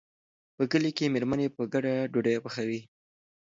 په کلي کې مېرمنې په ګډه ډوډۍ پخوي.